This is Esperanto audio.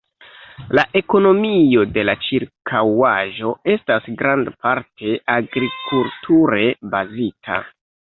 La ekonomio de la ĉirkaŭaĵo estas grandparte agrikulture bazita.